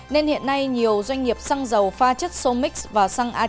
nên hiện nay nhiều doanh nghiệp xăng dầu pha chất somix vào xăng a chín mươi hai